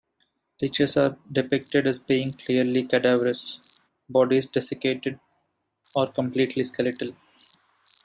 Liches are depicted as being clearly cadaverous, bodies desiccated or completely skeletal.